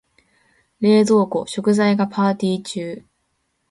冷蔵庫、食材がパーティ中。